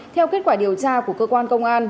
theo kết quả điều tra của cơ quan công an